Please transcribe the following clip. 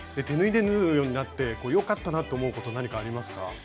手縫いで縫うようになって良かったなって思うこと何かありますか？